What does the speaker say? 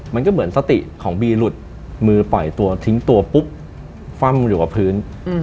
มันก็เหมือนสติของบีหลุดมือปล่อยตัวทิ้งตัวปุ๊บฟ่ำอยู่กับพื้น